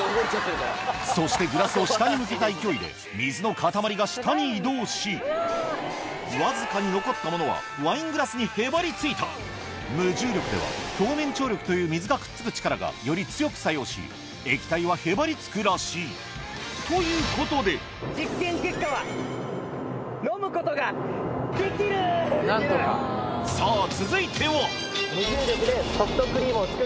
そしてグラスを下に向けた勢いで水の塊が下に移動しわずかに残ったものはワイングラスにへばりついた無重力では表面張力という水がくっつく力がより強く作用し液体はへばりつくらしいということでさぁ続いてはどっちだ。